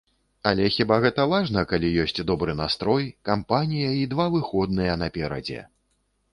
Але хіба гэта важна, калі ёсць добры настрой, кампанія і два выходныя наперадзе?!